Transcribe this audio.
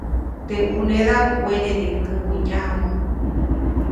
Teʼ ʼunedaʼm wenediʼuŋ käwäʼnyaju.